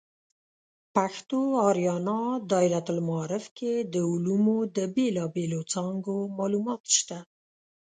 پښتو آریانا دایرة المعارف کې د علومو د بیلابیلو څانګو معلومات شته.